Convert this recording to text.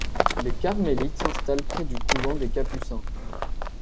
Les carmélites s'installent près du couvent des capucins.